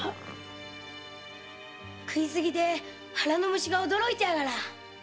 食いすぎて腹の虫が驚いてやがら。